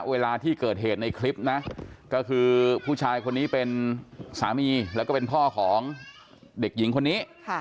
เวลาที่เกิดเหตุในคลิปนะก็คือผู้ชายคนนี้เป็นสามีแล้วก็เป็นพ่อของเด็กหญิงคนนี้